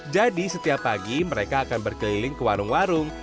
jadi setiap pagi mereka akan berkeliling ke warung warung